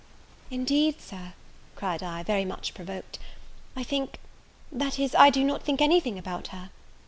"Indeed, Sir," cried I, very much provoked, "I think that is, I do not think any thing about her."